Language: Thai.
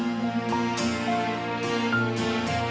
ขอบคุณเฮ่ย